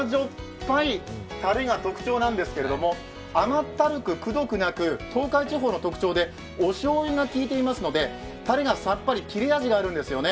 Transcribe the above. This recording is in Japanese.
ぱいたれが特徴なんですけれども甘ったるく、くどくなく、東海地方の特徴でおしょうゆが利いていますので、たれがさっぱり、切れ味があるんですよね。